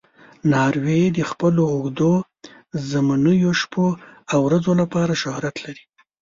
ناروی د خپلو اوږدو ژمنیو شپو او ورځو لپاره شهرت لري.